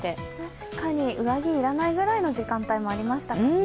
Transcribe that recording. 確かに上着、要らないぐらいの時間帯もありましたからね。